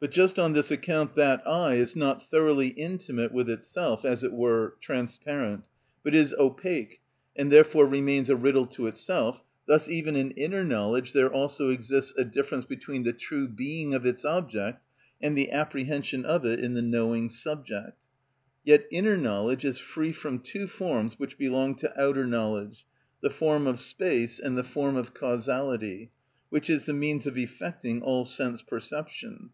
But just on this account that I is not thoroughly intimate with itself, as it were transparent, but is opaque, and therefore remains a riddle to itself, thus even in inner knowledge there also exists a difference between the true being of its object and the apprehension of it in the knowing subject. Yet inner knowledge is free from two forms which belong to outer knowledge, the form of space and the form of causality, which is the means of effecting all sense perception.